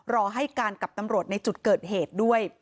รอให้การกับตำรวจในจุดเกิดเหตุด้วย